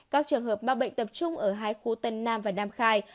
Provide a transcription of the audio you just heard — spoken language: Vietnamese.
các trường hợp mắc bệnh tập trung ở hai khu tân nam và nam khai